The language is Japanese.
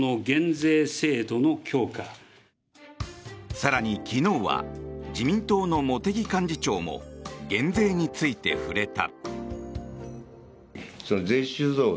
更に昨日は自民党の茂木幹事長も減税について触れた。